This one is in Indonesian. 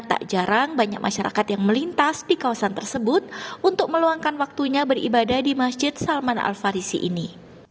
tak jarang banyak masyarakat yang melintas di kawasan tersebut untuk meluangkan waktunya beribadah di masjid salman al farisi ini